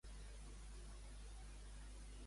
Per què aposta Compromís?